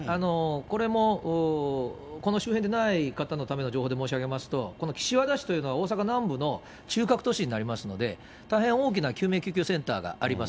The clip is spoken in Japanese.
これもこの周辺でない方のための情報で申し上げますと、この岸和田市というのは、大阪南部の中核都市になりますので、大変大きな救命救急センターがあります。